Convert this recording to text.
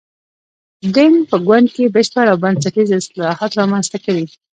دینګ په ګوند کې بشپړ او بنسټیز اصلاحات رامنځته کړي.